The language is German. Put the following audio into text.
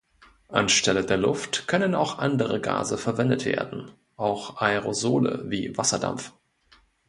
An Stelle der Luft können auch andere Gase verwendet werden, auch Aerosole wie Wasserdampf.